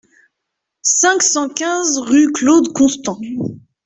cinq cent quinze rue Claude Constant